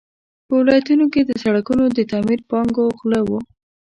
په ولایتونو کې د سړکونو د تعمیر پانګو غله وو.